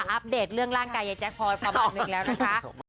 อัปเดตเรื่องร่างกายยายแจ๊คพลอยความบอกหนึ่งแล้วนะคะ